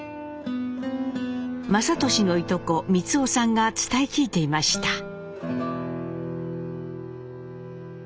雅俊のいとこ・三雄さんが伝え聞いていました。